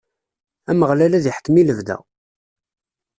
Ameɣlal ad iḥkem i lebda.